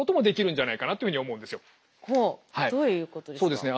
どういうことですか？